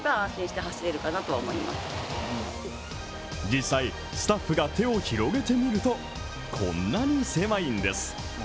実際、スタッフが手を広げてみると、こんなに狭いんです。